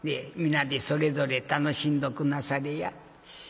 皆でそれぞれ楽しんどくんなされや。